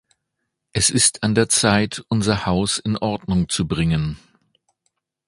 Es ist an der Zeit, unser Haus in Ordnung zu bringen.